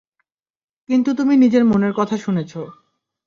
কিন্তু তুমি নিজের মনের কথা শুনেছ।